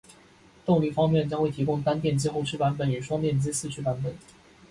动力方面，将会提供单电机后驱版本与双电机四驱版本